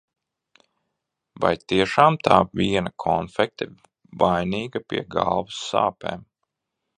Vai tiešām tā viena konfekte vainīga pie galvas sāpēm?